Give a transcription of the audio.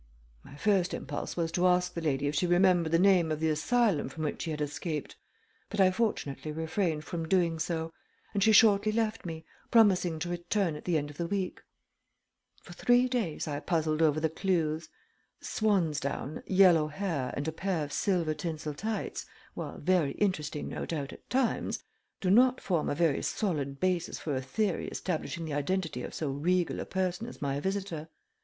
My first impulse was to ask the lady if she remembered the name of the asylum from which she had escaped, but I fortunately refrained from doing so, and she shortly left me, promising to return at the end of the week. For three days I puzzled over the clews. Swan's down, yellow hair, and a pair of silver tinsel tights, while very interesting no doubt at times, do not form a very solid basis for a theory establishing the identity of so regal a person as my visitor.